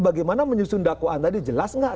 bagaimana menyusun dakwaan tadi jelas nggak